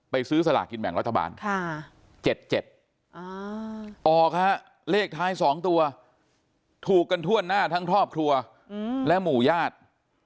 ซื้อสลากินแบ่งรัฐบาล๗๗ออกฮะเลขท้าย๒ตัวถูกกันทั่วหน้าทั้งครอบครัวและหมู่ญาติ